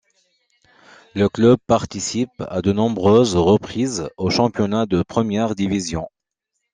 Le club participe à de nombreuses reprises au championnat de première division.